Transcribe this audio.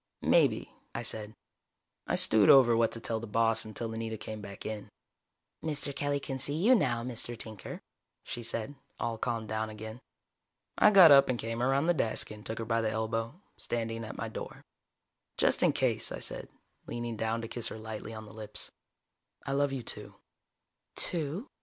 "Maybe," I said. I stewed over what to tell the boss until Anita came back in. "Mr. Kelly can see you now, Mr. Tinker," she said, all calmed down again. I got up and came around the desk and took her by the elbow, standing at my door. "Just in case," I said, leaning down to kiss her lightly on the lips. "I love you, too." "Too?"